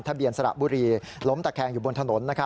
ทะเบียนสระบุรีล้มตะแคงอยู่บนถนน